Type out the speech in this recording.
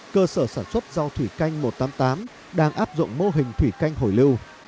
cơ sở sản xuất rau thủy canh một trăm tám mươi tám đang áp dụng mô hình thủy canh hồi lưu